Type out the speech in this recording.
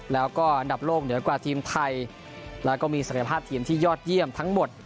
แล้วก็อันดับโลกเหนือกว่าทีมไทยแล้วก็มีศักยภาพทีมที่ยอดเยี่ยมทั้งหมด